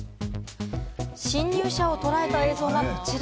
侵入者を捉えた映像がこちら！